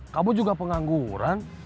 kamu juga pengangguran